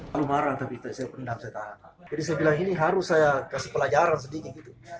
lalu marah tapi saya pendaf saya tahan jadi saya bilang ini harus saya kasih pelajaran sedikit gitu